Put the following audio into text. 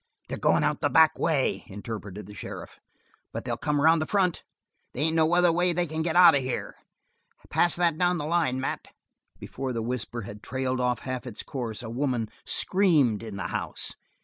"They're goin' out the back way," interpreted the sheriff, "but they'll come around in front. They ain't any other way they can get out of here. Pass that down the line, Mat." Before the whisper had trailed out half its course, a woman screamed in the house.